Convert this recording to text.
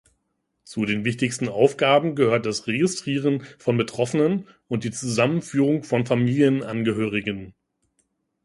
Zu den wichtigsten Aufgaben gehört das Registrieren von Betroffenen und die Zusammenführung von Familienangehörigen.